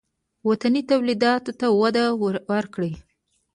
وطني تولیداتو ته وده ورکړئ